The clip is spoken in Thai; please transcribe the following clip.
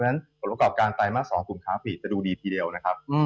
เพราะฉะนั้นผลประกอบการไตรมาส๒กลุ่มค้าผลิตจะดูดีทีเดียวนะครับ